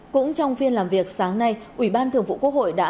cũng trong phiên làm việc sáng nay ủy ban thường vụ quốc hội đã